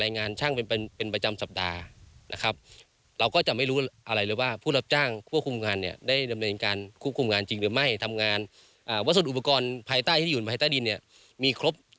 ในวันที่